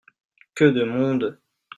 Que de monde !